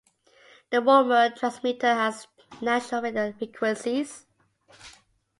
The Woolmoor transmitter has national radio frequencies.